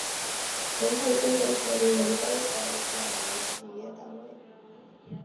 随后中国铁路文工团转为企业单位。